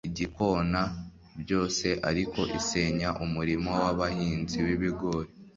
igikona byose ariko isenya umurima w abahinzi wibigori